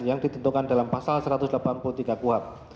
yang ditentukan dalam pasal satu ratus delapan puluh tiga kuhap